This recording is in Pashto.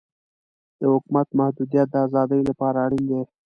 د حکومت محدودیت د ازادۍ لپاره اړین دی.